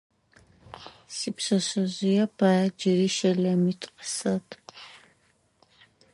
Сипшъэшъэжъые пае джыри щэлэмитӏу къысэт.